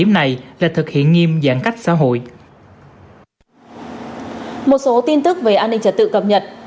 một số tin tức về an ninh trật tự cập nhật